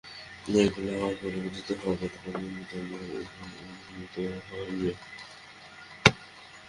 ঐগুলি আবার পরিবর্তিত হইবে, তখন নূতন নূতন স্মৃতির অভ্যুদয় হইবে।